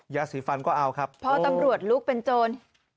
ยาสีฟันก็เอาครับพอตำรวจลุกเป็นโจร